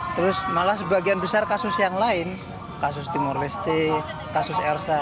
terus malah sebagian besar kasus yang lain kasus timur leste kasus ersa